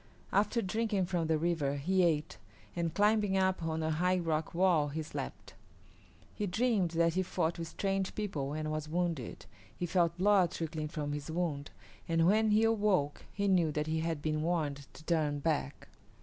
After drinking from the river he ate and, climbing up on a high rock wall, he slept. He dreamed that he fought with strange people and was wounded. He felt blood trickling from his wounds, and when he awoke he knew that he had been warned to turn back.